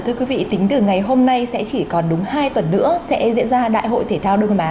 thưa quý vị tính từ ngày hôm nay sẽ chỉ còn đúng hai tuần nữa sẽ diễn ra đại hội thể thao đông nam á